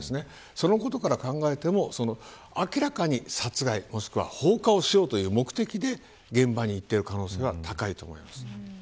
そのことから考えても、明らかに殺害もしくは放火をしようという目的で現場に行っている可能性はあります。